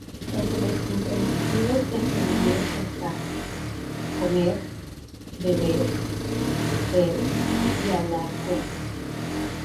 Entre los intransitivos extendidos están 'comer', 'beber', 'ver', y 'hablar con'.